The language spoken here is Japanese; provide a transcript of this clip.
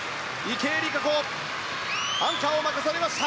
池江璃花子アンカーを任されました。